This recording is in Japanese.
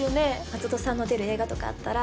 松戸さんの出る映画とかあったら。